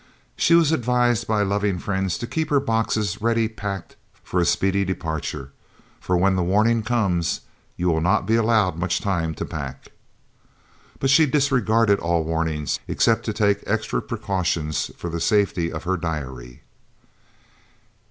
She was advised by loving friends to keep her boxes ready packed for a speedy departure, "for when the warning comes you will not be allowed much time to pack." But she disregarded all warnings, except to take extra precautions for the safety of her diary.